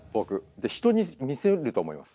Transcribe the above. で人に見せると思います。